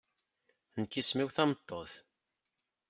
Nekk isem-iw tameṭṭut.